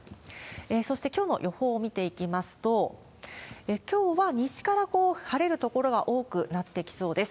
そしてきょうの予報を見ていきますと、きょうは西から晴れる所が多くなってきそうです。